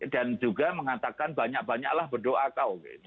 dan juga mengatakan banyak banyaklah berdoa kau